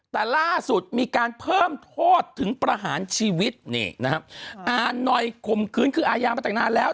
แต่ล่าสุดมีการเพิ่มโทษถึงประหารชีวิตนี่นะครับอ่านหน่อยคมคืนคืออายามาตั้งนานแล้ว